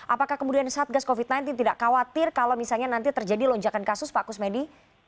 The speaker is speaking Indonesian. apakah kemudian satgas covid sembilan belas tidak khawatir kalau misalnya nanti terjadi lonjakan kasus pak kusmedi